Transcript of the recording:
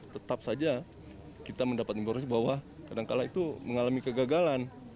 tetap saja kita mendapat informasi bahwa kadangkala itu mengalami kegagalan